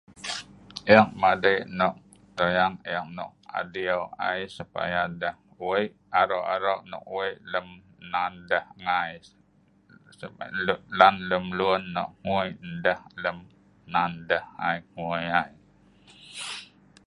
Ek madei nah toyang ek nok adiu ai supaya deh wei aro-aro nok wei lem nan deh ngai llan lem lun nok hngui ndeh lem nan deh ai hngui ai